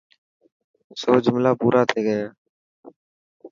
سو جملا پورا ٿي گيا.